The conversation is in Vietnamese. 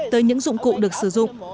tới những dụng cụ được sử dụng